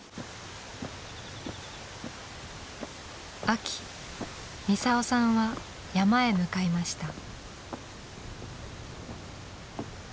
秋ミサオさんは山へ向かいました。